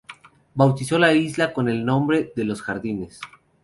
Bautizó la isla con el nombre de "Los Jardines".